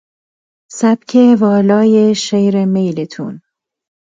سبک والای شعر میلتون